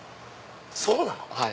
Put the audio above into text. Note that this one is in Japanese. そうなの？